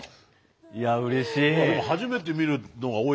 いやうれしい。